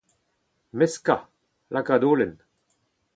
Meskañ, lakaat holen.